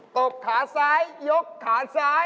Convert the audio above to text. บขาซ้ายยกขาซ้าย